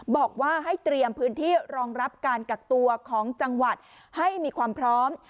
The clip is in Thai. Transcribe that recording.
บอกว่าให้เตรียมพื้นที่รองรับการกักตัวของจังหวัดให้มีความพร้อม